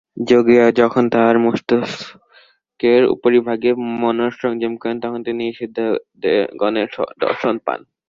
যোগী যখন তাঁহার মস্তকের উপরিভাগে মনঃসংযম করেন, তখন তিনি এই সিদ্ধগণের দর্শন পান।